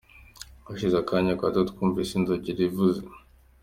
Hashize akanya gato twumvise inzogera ivuze.